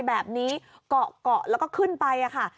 แบบนี้เกาะเกาะแล้วก็ขึ้นไปค่ะ